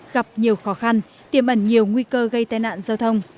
gặp nhiều khó khăn tiềm ẩn nhiều nguy cơ gây tai nạn giao thông